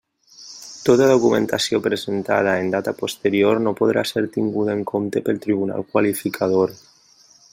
Tota documentació presentada en data posterior no podrà ser tinguda en compte pel Tribunal Qualificador.